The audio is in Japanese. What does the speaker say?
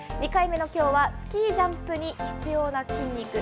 ２回目のきょうは、スキージャンプに必要な筋肉。